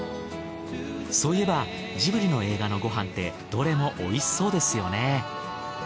そういえばジブリの映画のご飯ってどれも美味しそうですよね。